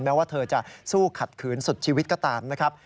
แม้ว่าเธอจะสู้ขัดขืนสุดชีวิตก็ตามนะครับ